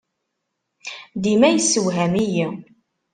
Dima yessewham-iyi.